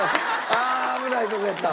ああ危ないとこやった。